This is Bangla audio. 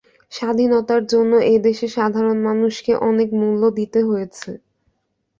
স্বাধীনতার জন্য এ দেশের সাধারণ মানুষকে অনেক মূল্য দিতে হয়েছে।